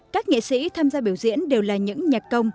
các nghệ sĩ tham gia biểu diễn đều là những nhạc công